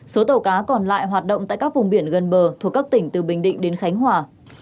số tàu cá còn lại hoạt động tại các vùng biển gần bờ thuộc các tỉnh từ bình định đến khánh hòa